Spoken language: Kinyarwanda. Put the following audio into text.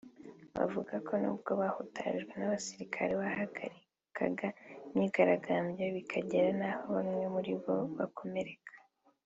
Bavuga ko nubwo bahutajwe n’abasirikare bahagarikaga imyigaragambyo bikagera naho bamwe muri bo bakomereka